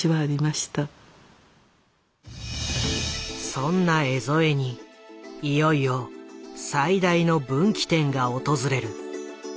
そんな江副にいよいよ最大の分岐点が訪れる。